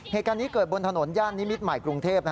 เหตุการณ์นี้เกิดบนถนนย่านนิมิตรใหม่กรุงเทพ